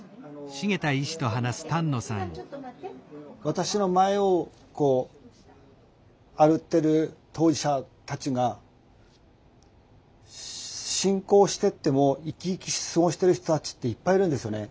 私の前をこう歩いてる当事者たちが進行してっても生き生き過ごしてる人たちっていっぱいいるんですよね。